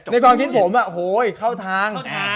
ในความคิดผมอะโห้ยเข้าทาง